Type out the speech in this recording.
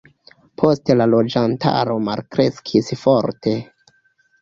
Poste la loĝantaro malkreskis forte.